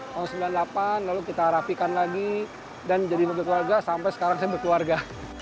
tahun seribu sembilan ratus sembilan puluh delapan lalu kita rapikan lagi dan menjadi berkeluarga sampai sekarang saya berkeluarga